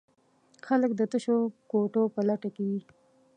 خلک د تشو کوټو په لټه کې وي.